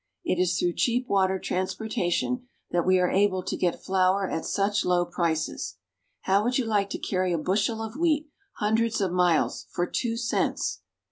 It is through cheap water transportation that we are able to get flour at such low prices. How would you like to carry a bushel of wheat hundreds of miles for two cents?